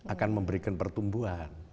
akan memberikan pertumbuhan